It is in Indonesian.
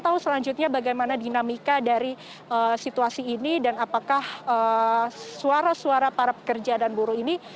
kita tahu selanjutnya bagaimana dinamika dari situasi ini dan apakah suara suara para pekerja dan buruh ini